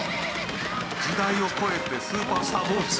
「時代を超えてスーパースター同士が」